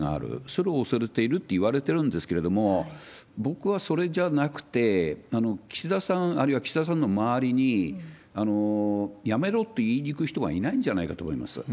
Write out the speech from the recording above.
それを恐れているといわれてるんですけれども、僕はそれじゃなくて、岸田さん、あるいは岸田さんの周りに、辞めろって言いにいく人がいないんじゃないかと思います。